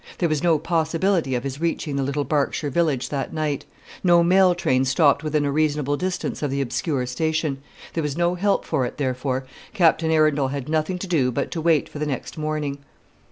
There was no possibility of his reaching the little Berkshire village that night. No mail train stopped within a reasonable distance of the obscure station. There was no help for it, therefore, Captain Arundel had nothing to do but to wait for the next morning.